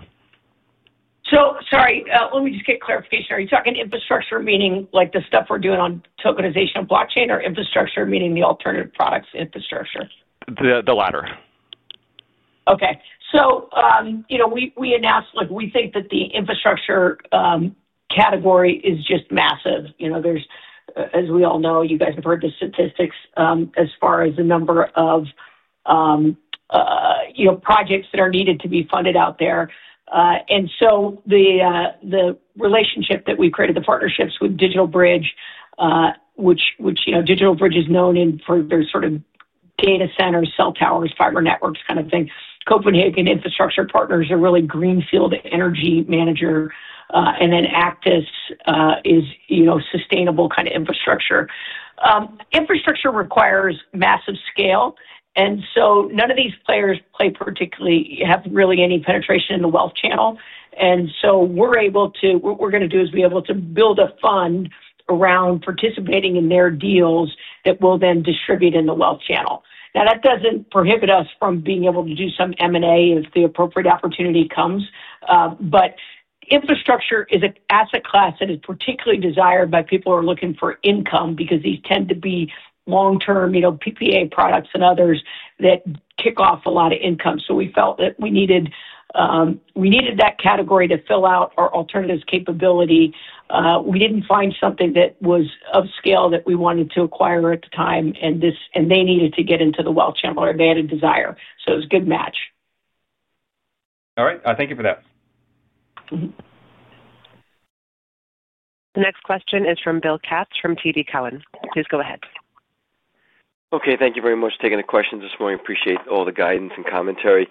Speaker 6: Sorry, let me just get clarification. Are you talking infrastructure, meaning like the stuff we're doing on tokenization of blockchain, or infrastructure, meaning the alternative products infrastructure?
Speaker 4: The latter. Okay. We announced we think that the infrastructure category is just massive. As we all know, you guys have heard the statistics as far as the number of projects that are needed to be funded out there. The relationship that we've created, the partnerships with DigitalBridge, which DigitalBridge is known for their sort of data centers, cell towers, fiber networks kind of thing. Copenhagen Infrastructure Partners are really Greenfield Energy Manager, and then Actis is sustainable kind of infrastructure. Infrastructure requires massive scale, and none of these players have really any penetration in the wealth channel. What we're going to do is be able to build a fund around participating in their deals that will then distribute in the wealth channel. That does not prohibit us from being able to do some M&A if the appropriate opportunity comes. Infrastructure is an asset class that is particularly desired by people who are looking for income because these tend to be long-term PPA products and others that kick off a lot of income. We felt that we needed that category to fill out our alternatives capability. We did not find something that was of scale that we wanted to acquire at the time, and they needed to get into the wealth channel or they had a desire. It was a good match.
Speaker 6: All right. Thank you for that.
Speaker 1: The next question is from Bill Katz from TD Cowen. Please go ahead.
Speaker 7: Okay. Thank you very much for taking the questions this morning. Appreciate all the guidance and commentary.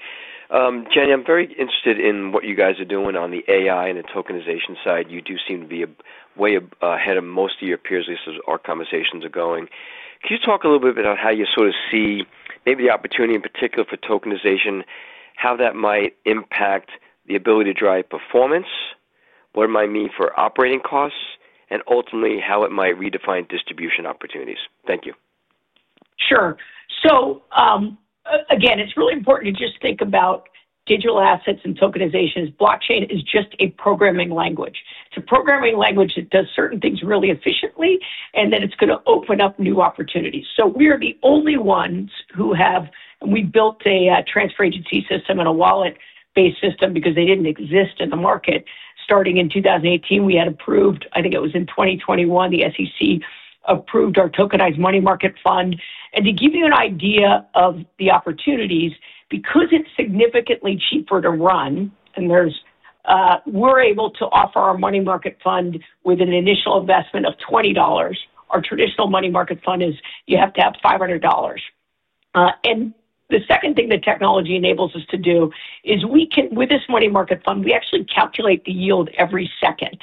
Speaker 7: Jenny, I am very interested in what you guys are doing on the AI and the tokenization side.
Speaker 4: You do seem to be way ahead of most of your peers as our conversations are going. Can you talk a little bit about how you sort of see maybe the opportunity in particular for tokenization, how that might impact the ability to drive performance, what it might mean for operating costs, and ultimately how it might redefine distribution opportunities? Thank you.
Speaker 3: Sure. Again, it's really important to just think about digital assets and tokenization as blockchain is just a programming language. It's a programming language that does certain things really efficiently, and then it's going to open up new opportunities. We are the only ones who have, and we built a transfer agency system and a wallet-based system because they did not exist in the market. Starting in 2018, we had approved, I think it was in 2021, the SEC approved our tokenized money market fund. To give you an idea of the opportunities, because it is significantly cheaper to run, we are able to offer our money market fund with an initial investment of $20. Our traditional money market fund is you have to have $500. The second thing that technology enables us to do is with this money market fund, we actually calculate the yield every second,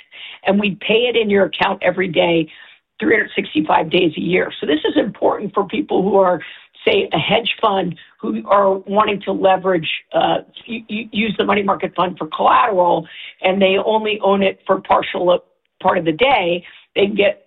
Speaker 3: and we pay it in your account every day, 365 days a year. This is important for people who are, say, a hedge fund who are wanting to leverage, use the money market fund for collateral, and they only own it for a partial part of the day. They can get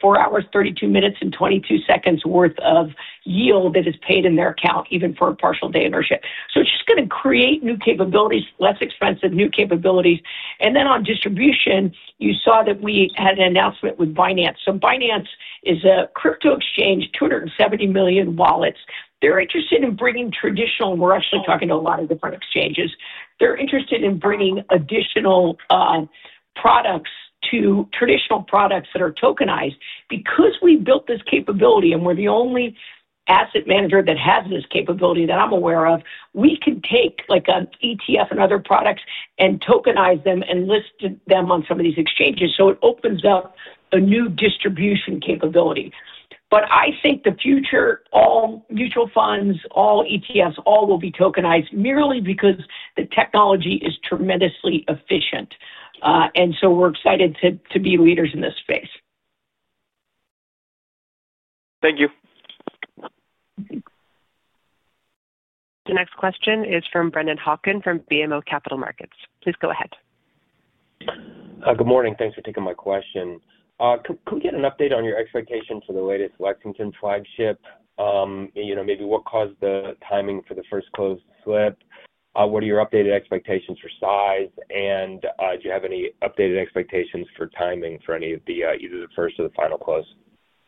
Speaker 3: four hours, 32 minutes, and 22 seconds worth of yield that is paid in their account, even for a partial day ownership. It is just going to create new capabilities, less expensive, new capabilities. On distribution, you saw that we had an announcement with Binance. Binance is a crypto exchange, 270 million wallets. They're interested in bringing traditional. We're actually talking to a lot of different exchanges. They're interested in bringing additional traditional products that are tokenized. Because we built this capability and we're the only asset manager that has this capability that I'm aware of, we can take an ETF and other products and tokenize them and list them on some of these exchanges. It opens up a new distribution capability. I think the future, all mutual funds, all ETFs, all will be tokenized merely because the technology is tremendously efficient. We're excited to be leaders in this space.
Speaker 7: Thank you.
Speaker 1: The next question is from Brennan Hawken from BMO Capital Markets. Please go ahead.
Speaker 8: Good morning. Thanks for taking my question. Could we get an update on your expectations for the latest Lexington flagship? Maybe what caused the timing for the first close slip? What are your updated expectations for size? Do you have any updated expectations for timing for either the first or the final close?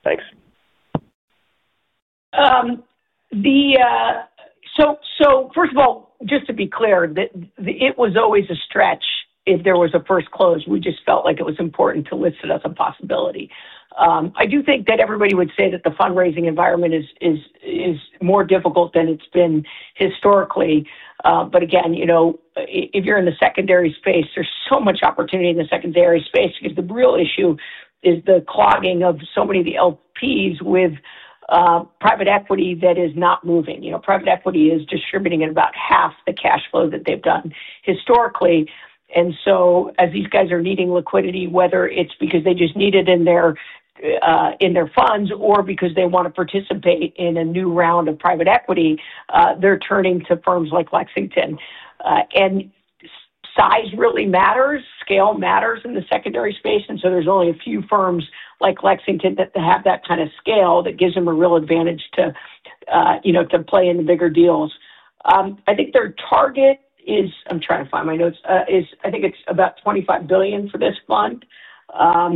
Speaker 8: Thanks.
Speaker 3: First of all, just to be clear, it was always a stretch if there was a first close. We just felt like it was important to list it as a possibility. I do think that everybody would say that the fundraising environment is more difficult than it has been historically. Again, if you are in the secondary space, there is so much opportunity in the secondary space because the real issue is the clogging of so many of the LPs with private equity that is not moving. Private equity is distributing at about half the cash flow that they have done historically. As these guys are needing liquidity, whether it is because they just need it in their funds or because they want to participate in a new round of private equity, they are turning to firms like Lexington. Size really matters. Scale matters in the secondary space. There are only a few firms like Lexington that have that kind of scale that gives them a real advantage to play in the bigger deals. I think their target is, I am trying to find my notes, I think it is about $25 billion for this fund. I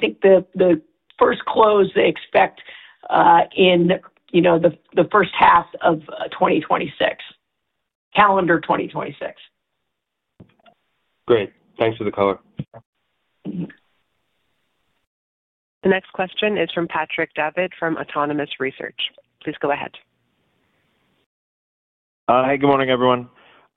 Speaker 3: think the first close they expect in the first half of 2026, calendar 2026.
Speaker 8: Great. Thanks for the color.
Speaker 1: The next question is from Patrick Davitt from Autonomous Research. Please go ahead. Hi. Good morning, everyone.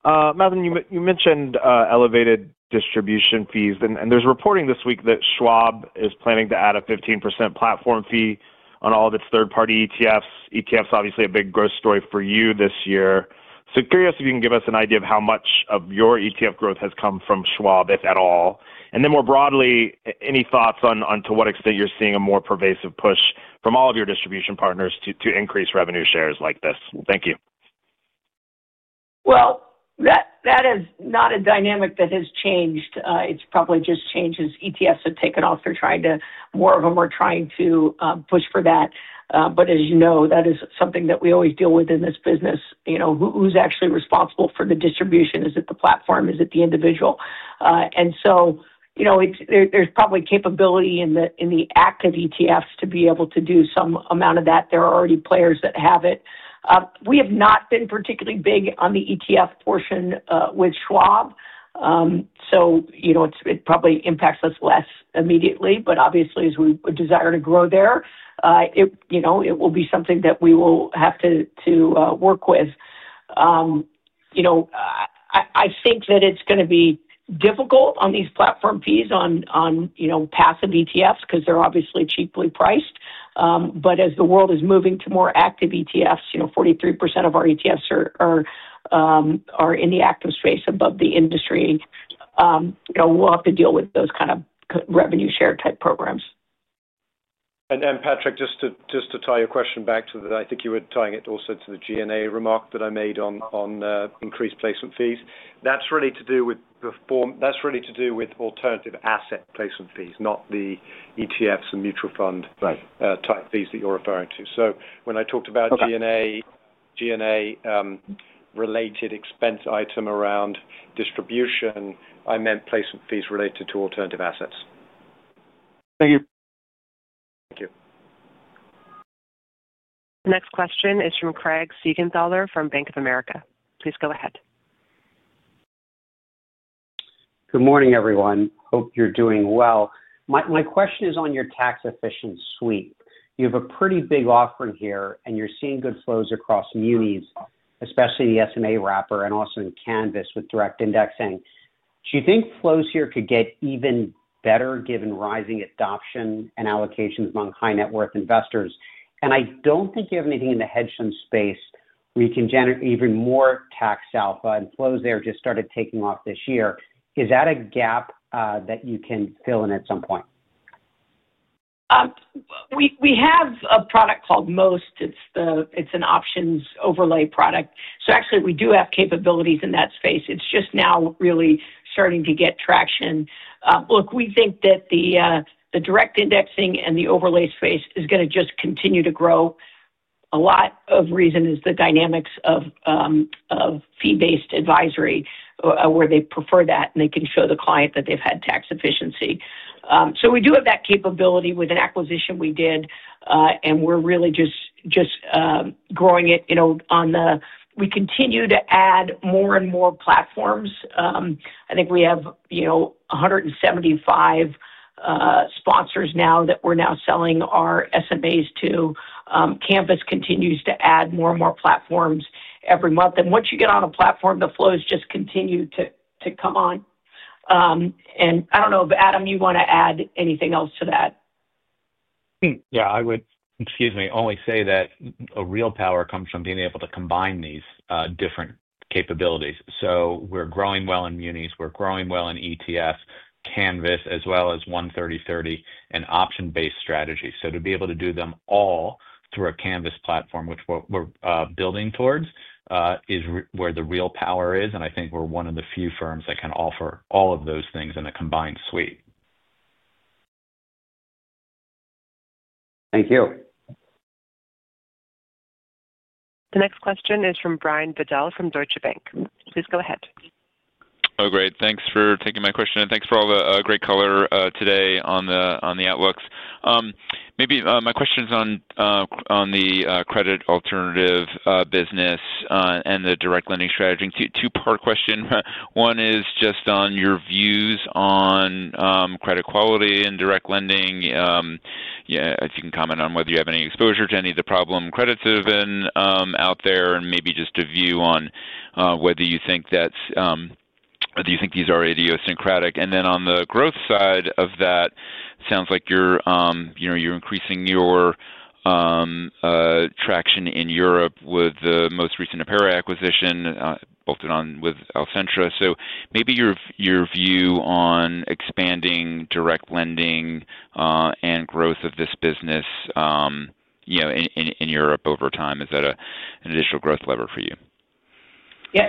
Speaker 1: Matthew, you mentioned elevated distribution fees.
Speaker 9: There is reporting this week that Schwab is planning to add a 15% platform fee on all of its third-party ETFs. ETFs, obviously, a big growth story for you this year. I am curious if you can give us an idea of how much of your ETF growth has come from Schwab, if at all. More broadly, any thoughts on to what extent you are seeing a more pervasive push from all of your distribution partners to increase revenue shares like this? Thank you. That is not a dynamic that has changed. It has probably just changed as ETFs have taken off. More of them are trying to push for that. As you know, that is something that we always deal with in this business. Who is actually responsible for the distribution? Is it the platform? Is it the individual? There is probably capability in the active ETFs to be able to do some amount of that. There are already players that have it. We have not been particularly big on the ETF portion with Schwab. It probably impacts us less immediately. Obviously, as we desire to grow there, it will be something that we will have to work with. I think that it is going to be difficult on these platform fees on passive ETFs because they are obviously cheaply priced. As the world is moving to more active ETFs, 43% of our ETFs are in the active space above the industry, we will have to deal with those kind of revenue share type programs.
Speaker 4: Patrick, just to tie your question back to the I think you were tying it also to the G&A remark that I made on increased placement fees. That's really to do with the form, that's really to do with alternative asset placement fees, not the ETFs and mutual fund type fees that you're referring to. When I talked about G&A-related expense item around distribution, I meant placement fees related to alternative assets.
Speaker 9: Thank you.
Speaker 4: Thank you.
Speaker 1: The next question is from Craig Siegenthaler from Bank of America. Please go ahead.
Speaker 10: Good morning, everyone. Hope you're doing well. My question is on your tax efficient suite. You have a pretty big offering here, and you're seeing good flows across munis, especially the SMA wrapper, and also in Canvas with direct indexing. Do you think flows here could get even better given rising adoption and allocations among high-net-worth investors? I do not think you have anything in the hedge fund space where you can generate even more tax alpha, and flows there just started taking off this year. Is that a gap that you can fill in at some point?
Speaker 3: We have a product called MOST. It's an options overlay product. So actually, we do have capabilities in that space. It's just now really starting to get traction. Look, we think that the direct indexing and the overlay space is going to just continue to grow. A lot of reason is the dynamics of fee-based advisory, where they prefer that, and they can show the client that they've had tax efficiency. So we do have that capability with an acquisition we did, and we're really just growing it on the we continue to add more and more platforms. I think we have 175 sponsors now that we're now selling our SMAs to. Canvas continues to add more and more platforms every month. And once you get on a platform, the flows just continue to come on.I do not know if, Adam, you want to add anything else to that?
Speaker 11: Yeah. I would, excuse me, only say that real power comes from being able to combine these different capabilities. We are growing well in munis. We are growing well in ETFs, Canvas, as well as 130/30 and option-based strategies. To be able to do them all through a Canvas platform, which we are building towards, is where the real power is. I think we are one of the few firms that can offer all of those things in a combined suite.
Speaker 10: Thank you.
Speaker 1: The next question is from Brian Bedell from Deutsche Bank. Please go ahead.
Speaker 12: Oh, great. Thanks for taking my question, and thanks for all the great color today on the outlooks. Maybe my question is on the credit alternative business and the direct lending strategy. Two-part question. One is just on your views on credit quality and direct lending, if you can comment on whether you have any exposure to any of the problem credits that have been out there, and maybe just a view on whether you think that's, whether you think these are idiosyncratic. On the growth side of that, it sounds like you're increasing your traction in Europe with the most recent APIRA acquisition, bolted on with Alcentra. Maybe your view on expanding direct lending and growth of this business in Europe over time, is that an additional growth lever for you?
Speaker 3: Yeah.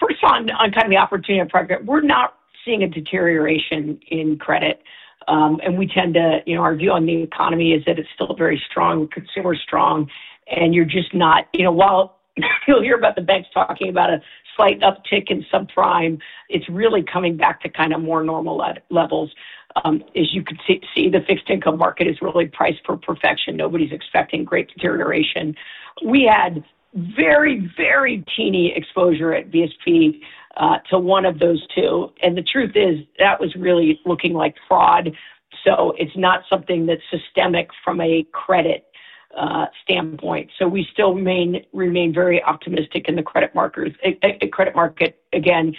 Speaker 3: First of all, on kind of the opportunity of project, we're not seeing a deterioration in credit. We tend to argue on the economy is that it's still very strong, consumer-strong, and you're just not, while you'll hear about the banks talking about a slight uptick in subprime, it's really coming back to kind of more normal levels. As you could see, the fixed income market is really priced for perfection. Nobody's expecting great deterioration. We had very, very teeny exposure at BSP to one of those two. The truth is that was really looking like fraud. It's not something that's systemic from a credit standpoint. We still remain very optimistic in the credit market, again,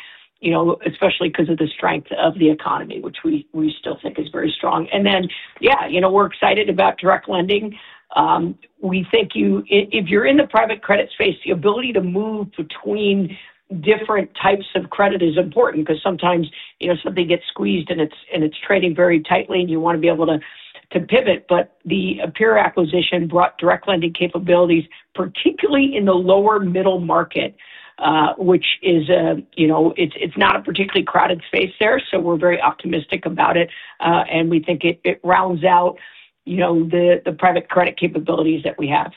Speaker 3: especially because of the strength of the economy, which we still think is very strong. Yeah, we're excited about direct lending. We think if you're in the private credit space, the ability to move between different types of credit is important because sometimes something gets squeezed and it's trading very tightly, and you want to be able to pivot. The APIRA acquisition brought direct lending capabilities, particularly in the lower middle market, which is not a particularly crowded space there. We are very optimistic about it, and we think it rounds out the private credit capabilities that we have.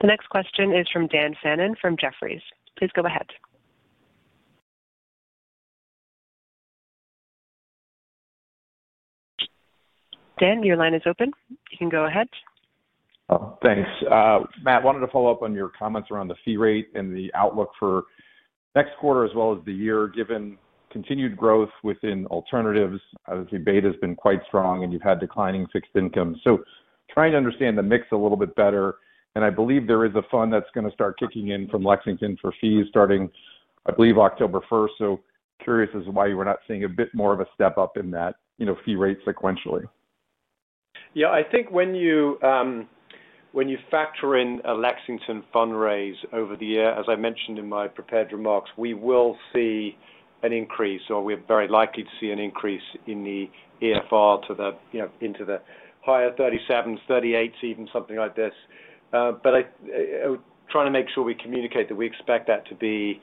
Speaker 1: The next question is from Dan Fannon from Jefferies. Please go ahead. Dan, your line is open. You can go ahead.
Speaker 13: Thanks. Matt, wanted to follow up on your comments around the fee rate and the outlook for next quarter as well as the year, given continued growth within alternatives. I would say beta has been quite strong, and you've had declining fixed income. Trying to understand the mix a little bit better. I believe there is a fund that's going to start kicking in from Lexington for fees starting, I believe, October 1. Curious as to why you were not seeing a bit more of a step up in that fee rate sequentially.
Speaker 4: Yeah. I think when you factor in a Lexington fundraise over the year, as I mentioned in my prepared remarks, we will see an increase, or we're very likely to see an increase in the EFR into the higher 37s, 38s, even something like this. Trying to make sure we communicate that we expect that to be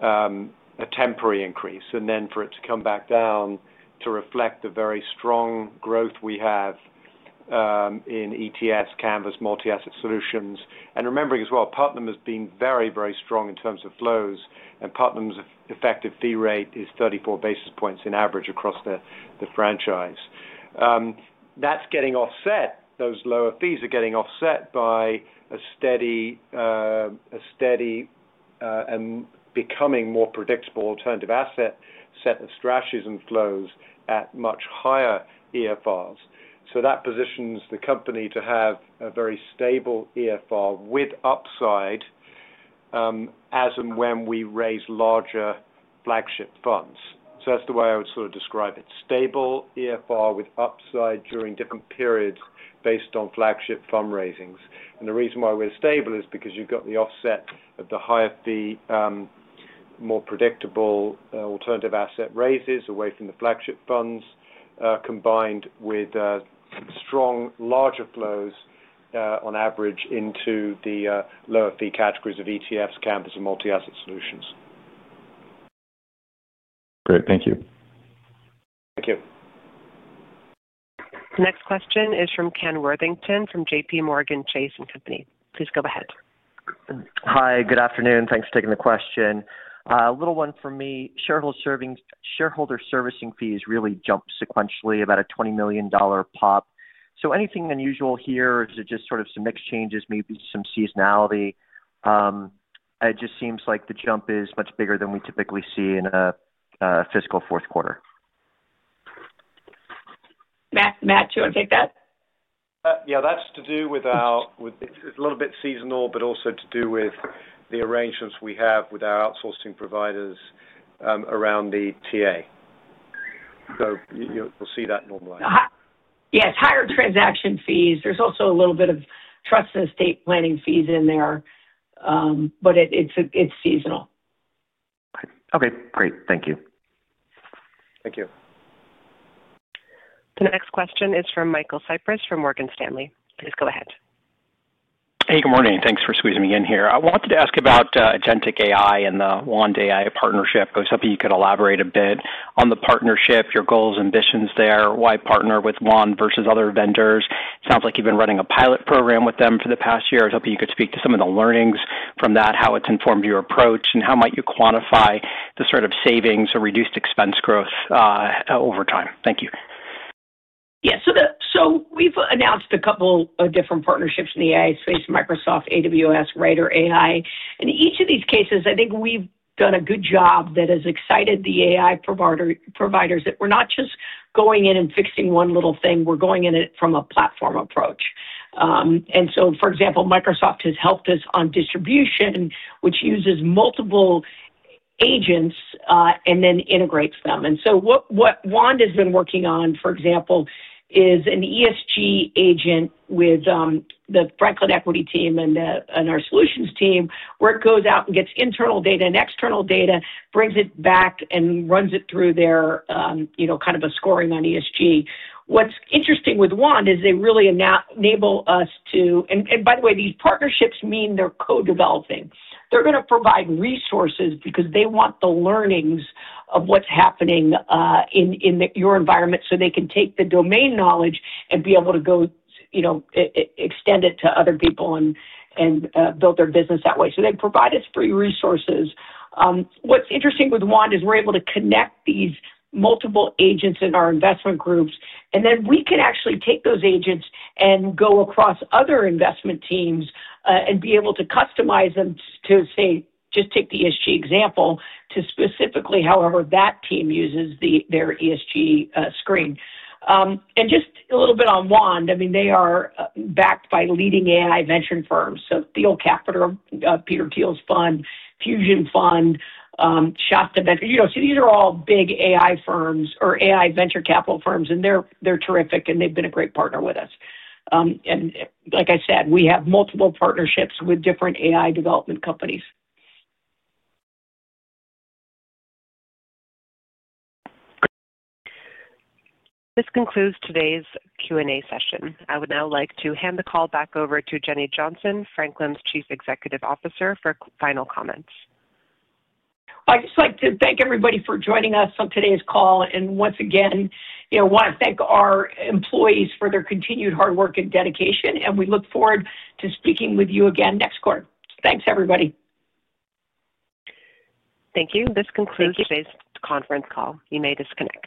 Speaker 4: a temporary increase, and then for it to come back down to reflect the very strong growth we have in ETFs, Canvas, multi-asset solutions. Remembering as well, Putnam has been very, very strong in terms of flows. Putnam's effective fee rate is 34 basis points on average across the franchise. That is getting offset. Those lower fees are getting offset by a steady and becoming more predictable alternative asset set of strategies and flows at much higher EFRs. That positions the company to have a very stable EFR with upside as and when we raise larger flagship funds. That is the way I would sort of describe it. Stable EFR with upside during different periods based on flagship fundraisings. The reason why we are stable is because you have got the offset of the higher fee, more predictable alternative asset raises away from the flagship funds, combined with strong larger flows on average into the lower fee categories of ETFs, Canvas, and multi-asset solutions.
Speaker 13: Great. Thank you.
Speaker 4: Thank you.
Speaker 1: The next question is from Ken Worthington from JPMorgan Chase and Company. Please go ahead.
Speaker 14: Hi. Good afternoon. Thanks for taking the question. A little one for me. Shareholder servicing fees really jumped sequentially, about a $20 million pop. So anything unusual here? Is it just sort of some mix changes, maybe some seasonality? It just seems like the jump is much bigger than we typically see in a fiscal fourth quarter. Matt, do you want to take that?
Speaker 4: Yeah. That's to do with our, it's a little bit seasonal, but also to do with the arrangements we have with our outsourcing providers around the TA. So you'll see that normalize. Yes. Higher transaction fees. There's also a little bit of trust and estate planning fees in there, but it's seasonal.
Speaker 14: Okay. Great. Thank you.
Speaker 4: Thank you.
Speaker 1: The next question is from Michael Cyprys from Morgan Stanley. Please go ahead.
Speaker 15: Hey, good morning. Thanks for squeezing me in here. I wanted to ask about Agentic AI and the Wand AI partnership. I was hoping you could elaborate a bit on the partnership, your goals, ambitions there, why partner with Wand versus other vendors. It sounds like you've been running a pilot program with them for the past year. I was hoping you could speak to some of the learnings from that, how it's informed your approach, and how might you quantify the sort of savings or reduced expense growth over time. Thank you. Yeah. We have announced a couple of different partnerships in the AI space: Microsoft, AWS, Rider AI. In each of these cases, I think we have done a good job that has excited the AI providers that we are not just going in and fixing one little thing. We are going in from a platform approach. For example, Microsoft has helped us on distribution, which uses multiple agents and then integrates them. What Wand has been working on, for example, is an ESG agent with the Franklin Equity team and our solutions team, where it goes out and gets internal data and external data, brings it back, and runs it through their kind of a scoring on ESG. What's interesting with Wand is they really enable us to—and by the way, these partnerships mean they're co-developing. They're going to provide resources because they want the learnings of what's happening in your environment so they can take the domain knowledge and be able to go extend it to other people and build their business that way. They provide us free resources. What's interesting with Wand is we're able to connect these multiple agents in our investment groups, and then we can actually take those agents and go across other investment teams and be able to customize them to, say, just take the ESG example to specifically however that team uses their ESG screen. And just a little bit on Wand. I mean, they are backed by leading AI venture firms. Thiel Capital, Peter Thiel's fund, Fusion Fund, Shasta Ventures. These are all big AI firms or AI venture capital firms, and they're terrific, and they've been a great partner with us. Like I said, we have multiple partnerships with different AI development companies.
Speaker 1: This concludes today's Q&A session. I would now like to hand the call back over to Jenny Johnson, Franklin's Chief Executive Officer, for final comments.
Speaker 3: I'd just like to thank everybody for joining us on today's call. Once again, I want to thank our employees for their continued hard work and dedication, and we look forward to speaking with you again next quarter. Thanks, everybody. Thank you. This concludes today's conference call. You may disconnect.